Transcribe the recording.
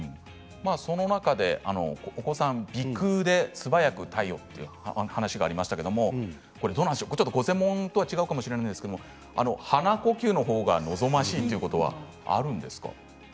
その中でお子さんは鼻くうですばやく対応という話がありましたけれどもちょっとご専門とは違うかもしれませんが鼻呼吸のほうが望ましいということはあるんですか。